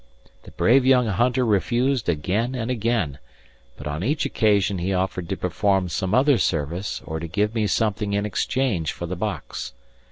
The brave young hunter refused again and again; but on each occasion he offered to perform some other service or to give me something in exchange for the box.